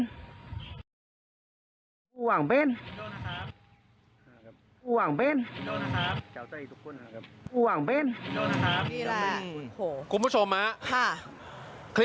ครับคลิปนี้มาเมื่อวานใช่แต่ไม่รู้ว่าบันทึกไว้เมื่อไรพี่